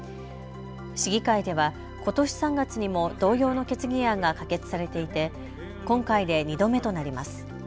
市議会では、ことし３月にも同様の決議案が可決されていて今回で２度目となります。